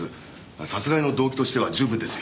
殺害の動機としては十分ですよ。